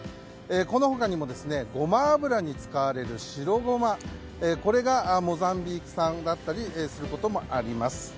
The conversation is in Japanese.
この他にもごま油に使われる白ごまこれがモザンビーク産だったりすることもあります。